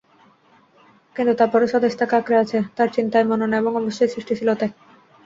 কিন্তু তারপরও স্বদেশ তাঁকে আঁকড়ে আছে, তাঁর চিন্তায়-মননে এবং অবশ্যই সৃষ্টিশীলতায়।